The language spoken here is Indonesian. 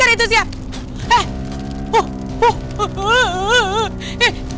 eh eh itu siap